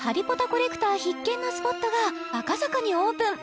コレクター必見のスポットが赤坂にオープン！